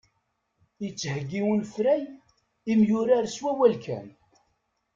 Ittɛeggin unefray imyurar s wawal kan.